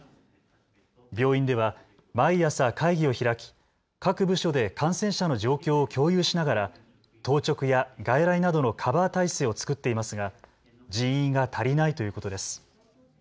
病院では毎朝、会議を開き各部署で感染者の状況を共有しながら当直や外来などのカバー体制を作っていますが、人員が足りないということです。